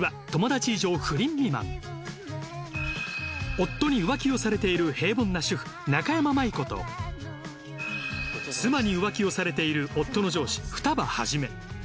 夫に浮気をされている平凡な主婦中山麻衣子と妻に浮気をされている夫の上司二葉一。